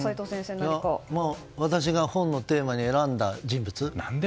私が本のテーマに選んだ人物。